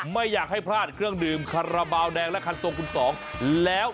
ไม่อยากให้พลาดเครื่องดื่มขาระเบาแดงราคาคันโซคูล๒